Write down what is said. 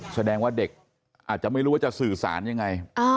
แสดงว่าเด็กอาจจะไม่รู้ว่าจะสื่อสารยังไง